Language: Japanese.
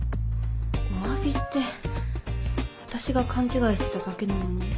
おわびって私が勘違いしてただけなのに？